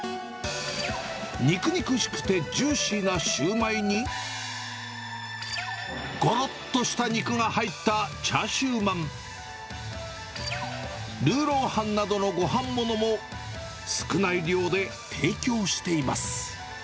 肉肉しくてジューシーなシュウマイに、ごろっとした肉が入ったチャーシューまん、ルーローハンなどのごはんものも少ない量で提供しています。